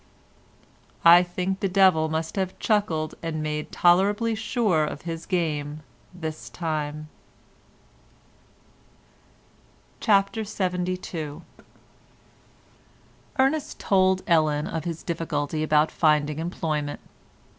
I think the devil must have chuckled and made tolerably sure of his game this time. CHAPTER LXXII Ernest told Ellen of his difficulty about finding employment.